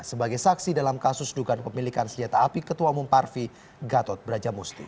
sebagai saksi dalam kasus dugaan pemilikan senjata api ketua umum parvi gatot brajamusti